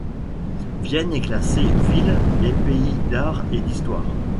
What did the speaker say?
Vienne est classée Villes et Pays d'Art et d'Histoire.